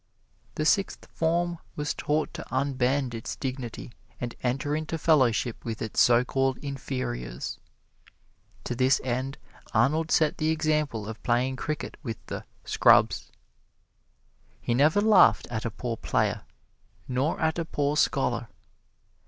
The Sixth Form was taught to unbend its dignity and enter into fellowship with its so called inferiors. To this end Arnold set the example of playing cricket with the "scrubs." He never laughed at a poor player nor at a poor scholar.